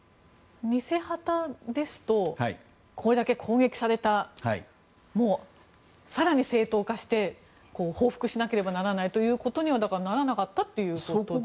偽旗ですとこれだけ攻撃された更に正当化して報復しなければならないということにならなかったということですよね。